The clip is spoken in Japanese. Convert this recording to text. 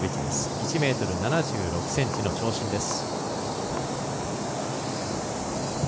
１ｍ７６ｃｍの長身です。